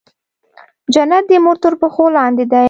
جنت د مور تر پښو لاندې دی